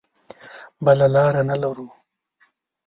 بله لاره نه لرو.